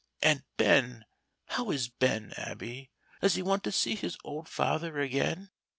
And, Ben how is Ben, Abby? does he want to see his old father again?